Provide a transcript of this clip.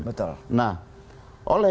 betul nah oleh